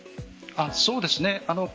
そうですね。